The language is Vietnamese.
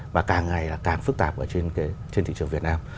và càng ngày càng phức tạp trên thị trường việt nam